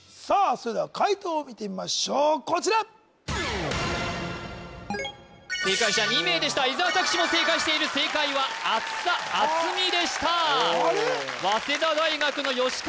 それでは解答を見てみましょうこちら正解者２名でした伊沢拓司も正解している正解は厚さ厚みでしたあれ？